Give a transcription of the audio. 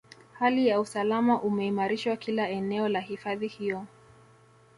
Hali ya usalama imeimarishwa kila eneo la hifadhi hiyo